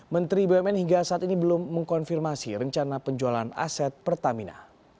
menteri bumn hingga saat ini belum mengkonfirmasi rencana penjualan aset pertamina